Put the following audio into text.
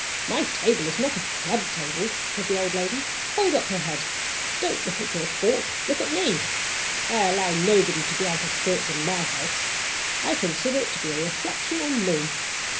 "My table is not the club table," said the old lady. "Hold up your head. Don't look at your fork look at me. I allow nobody to be out of spirits in My house. I consider it to be a reflection on Me.